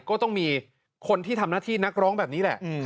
ก็ต้องมีคนที่ทำหน้าที่นักร้องแบบนี้แหละ